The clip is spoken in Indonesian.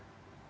ya begini mbak